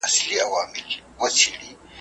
پر کوم اړخ چي پروت وي، هغه اړخ بدلول.